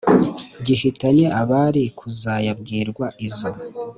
Gihitanye abari kuzayabwirwa izo